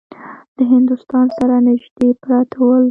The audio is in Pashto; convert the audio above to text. د هندوستان سره نیژدې پراته ول.